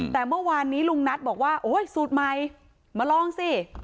แต่ว่านี้ลุงนัทบอกว่าโหยสูตรใหม่มาลองสิ